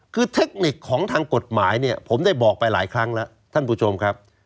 คือเทคนิคของทางกฎหมายเนี่ยผมได้บอกไปหลายครั้งแล้วท่านผู้ชมครับ